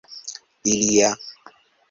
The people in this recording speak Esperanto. ilia